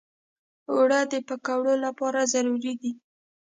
اوړه د پکوړو لپاره ضروري دي